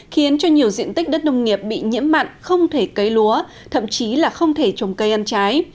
khiến cho nhiều diện tích đất nông nghiệp bị nhiễm mặn không thể cấy lúa thậm chí là không thể trồng cây ăn trái